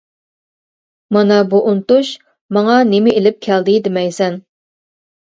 مانا بۇ ئۇنتۇش ماڭا نېمە ئېلىپ كەلدى دېمەيسەن.